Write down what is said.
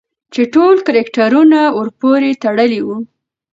چې ټول کرکټرونه ورپورې تړلي وي